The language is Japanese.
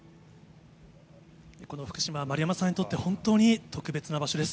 この福島、丸山さんにとって、本当に特別な場所です。